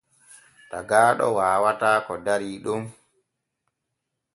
Tagaaɗo waawataa ko darii ɗon.